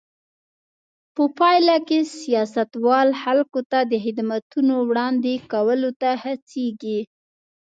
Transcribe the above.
په پایله کې سیاستوال خلکو ته د خدمتونو وړاندې کولو ته هڅېږي.